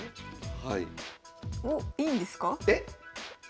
はい。